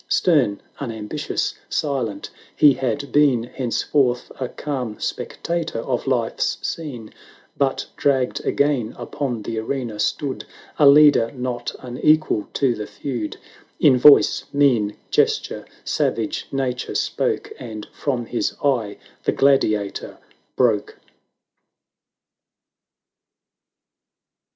Stern, unambitious, silent, he had been Henceforth a calm spectator of Life's scene; But dragged again upon the arena, stood A leader not unequal to the feud; In voice — mien — gesture — savage nature spoke. And from his eye the gladiator broke.